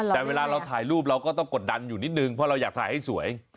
แต่เวลาเราถ่ายรูปเราก็ต้องกดดันอยู่นิดนึงเพราะเราอยากถ่ายให้สวย